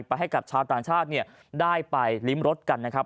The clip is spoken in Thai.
ให้กับชาวต่างชาติได้ไปริมรสกันนะครับ